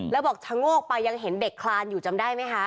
แล้วบอกชะโงกไปยังเห็นเด็กคลานอยู่จำได้ไหมคะ